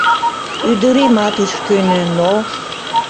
Ӱдыремат ыш кӧнӧ, но...